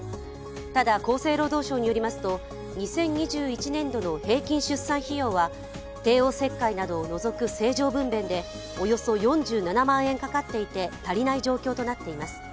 ただ、厚生労働省によりますと２０２１年度の平均出産費用は帝王切開などを除く正常分べんでおよそ４７万円かかっていて、足りない状況となっています。